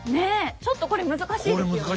ちょっとこれ難しいですよね。